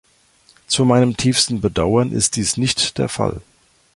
Zu meinem tiefsten Bedauern ist dies nicht der Fall.